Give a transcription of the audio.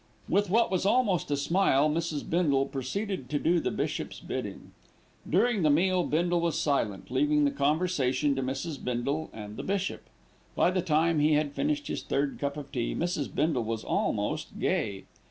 With what was almost a smile, Mrs. Bindle proceeded to do the bishop's bidding. During the meal Bindle was silent, leaving the conversation to Mrs. Bindle and the bishop. By the time he had finished his third cup of tea, Mrs. Bindle was almost gay.